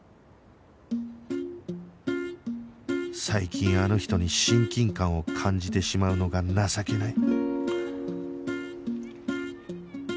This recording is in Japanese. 最近あの人に親近感を感じてしまうのが情けない